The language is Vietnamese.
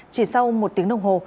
chỉ sau một tiếng đồng hồ